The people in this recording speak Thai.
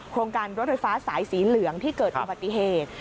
โครงการรถไฟฟ้าสายสีเหลืองที่เกิดอุบัติเหตุ